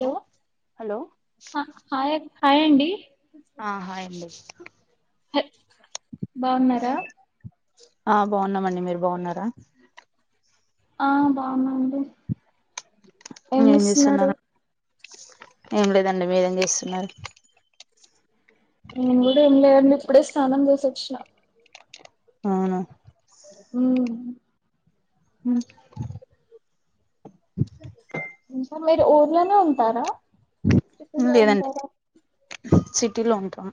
hello hello hi అండి ఆ hi అండి హ బాగున్నారా ఆ బాగున్నామండి మీరు బాగున్నారా ఆ బాగున్నా అండి ఏమి ఏం ఇస్తున్నారు చేస్తున్నారు ఏం లేదండి మీరేం చేస్తున్నారు నేను కూడా ఏం లే అండి ఇప్పుడే స్నానం చేసొచ్చిన అవునా మ్ మ్ ఇంకా మీరు ఊర్లోనే ఉంటారా సిటీ లో లేదండి ఉంటారా సిటీలో ఉంటాం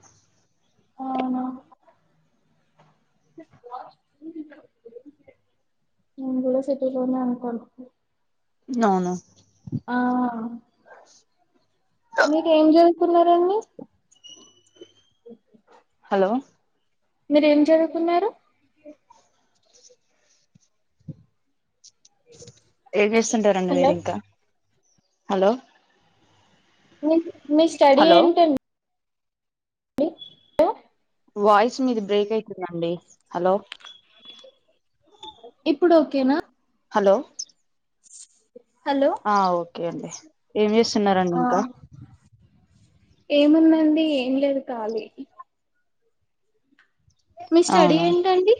నేన్ కూడా సిటీలోనే ఉంటాను అవును ఆ మీరు ఏం చదువుతున్నారండీ హలో మీర్ ఏం జరుకున్నారు ఏజెస్తుంటారండి హలో మీర్ ఇంకా హలో [unintelligible] మీ స్టడీ హలో ఏంటం వాయిస్ మీది బ్రేక్ ఐ [unintelligible] ండి హలో ఇప్పుడు ఓకేనా హలో హలో అ ఓకే అండి ఏం జెస్తున్నరండి ఆ ఇంకా ఏముందండి ఏం లేదు కాలి మీ స్టడీ అవును ఏంటండి